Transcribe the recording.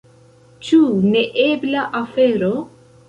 Ĉu neebla afero?